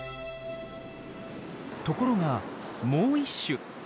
ところがもう１種。